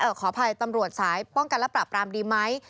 ขออภัยตำรวจสายป้องกันและปราบรามดีไหม